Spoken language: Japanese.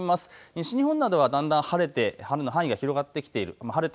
西日本などはだんだん晴れて晴れの範囲が広がってきている。